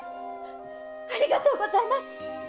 ありがとうございます！